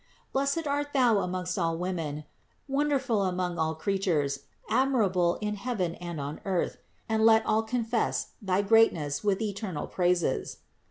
Blessed art Thou amongst all women, wonderful among all creatures, admirable in heaven and on earth, and let all confess thy greatness with eternal praises.